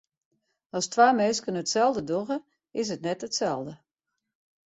As twa minsken itselde dogge, is it net itselde.